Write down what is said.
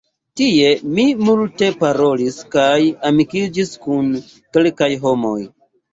Tie mi multe parolis kaj amikiĝis kun kelkaj homoj.